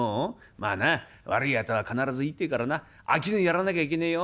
まあな悪いあとは必ずいいってえからな飽きずにやらなきゃいけねえよ。